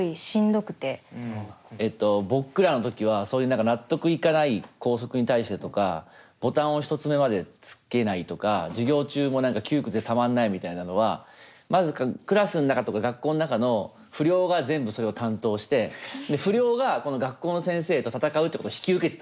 えっと僕らの時はそういう何か納得いかない校則に対してとかボタンを１つ目までつけないとか授業中も何か窮屈でたまんないみたいなのはまずクラスの中とか学校の中の不良が全部それを担当して不良がこの学校の先生と戦うってことを引き受けてたわけ。